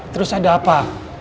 terus ada apa